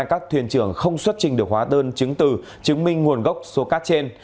các thuyền trưởng không xuất trình được hóa đơn chứng từ chứng minh nguồn gốc số cát trên